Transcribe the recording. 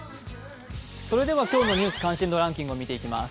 今日の「ニュース関心度ランキング」を見ていきます。